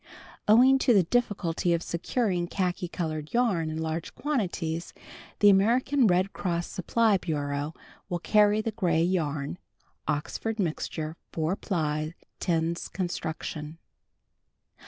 Owing to the difficulty of securing khaki colored yarn in large quantities the American Red Cross Supply Bureau will carry the gray yarn (Oxford mixture, 4 ply lO's construction).